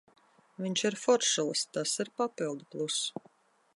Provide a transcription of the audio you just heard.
Viņš ir foršulis, tas ir papildu pluss.